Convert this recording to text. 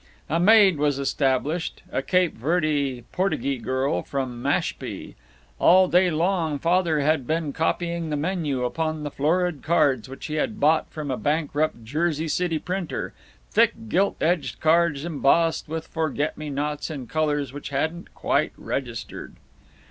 A maid was established, a Cape Verde Portygee girl from Mashpee. All day long Father had been copying the menu upon the florid cards which he had bought from a bankrupt Jersey City printer thick gilt edged cards embossed with forget me nots in colors which hadn't quite registered.